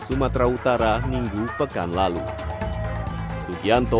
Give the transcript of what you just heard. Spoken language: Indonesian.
sumatera utara minggu pekan lalu sugianto